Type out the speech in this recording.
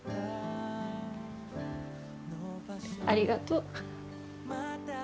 ありがとう。